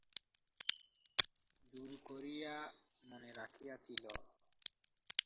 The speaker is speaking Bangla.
জোর করিয়া মনে রাখিয়াছিল।